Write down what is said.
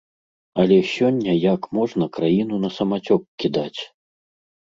Але сёння як можна краіну на самацёк кідаць?